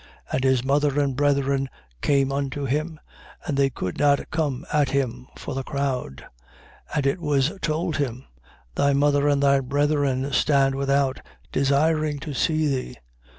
And his mother and brethren came unto him: and they could not come at him for the crowd. 8:20. And it was told him: Thy mother and thy brethren stand without, desiring to see thee.